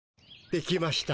できました。